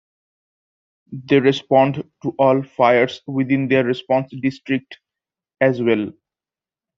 They respond to all fires within their response district as well.